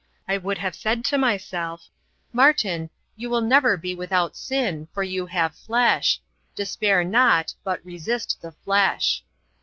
I would have said to myself: "Martin, you will never be without sin, for you have flesh. Despair not, but resist the flesh."